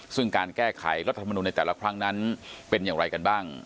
ซึ่งการแก้ไขรัฐธรรมนุนในแต่ละครั้งนั้นเป็นอย่างไรกันบ้าง